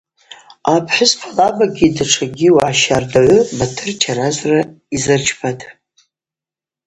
Апхӏвыспа лабагьи датша уагӏа щардагӏвгьи Батыр чаражвра йзырчпатӏ.